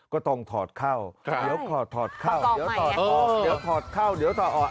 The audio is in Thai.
ก็ต้องถอดเข้าเดี๋ยวถอดเข้าเดี๋ยวถอดออกเดี๋ยวถอดออก